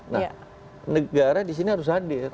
nah negara di sini harus hadir